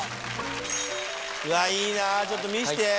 いいなぁちょっと見せて。